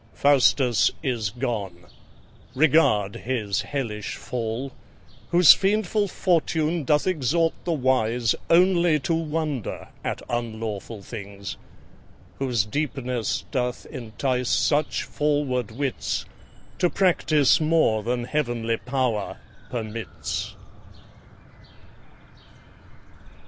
Faustus is gone: regard his hellish fall, Whose fiendful fortune may exhort the wise, Only to wonder at unlawful things, Whose deepness doth entice such forward wits To practice more than heavenly power permits.